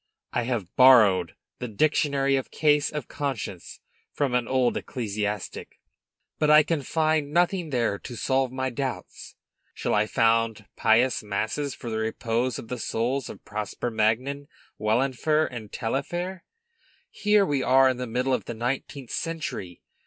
I have borrowed the 'Dictionary of Cases of Conscience' from an old ecclesiastic, but I can find nothing there to solve my doubts. Shall I found pious masses for the repose of the souls of Prosper Magnan, Wahlenfer, and Taillefer? Here we are in the middle of the nineteenth century!